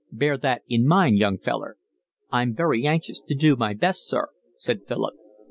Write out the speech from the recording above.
Bear that in mind, young feller." "I'm very anxious to do my best, sir," said Philip.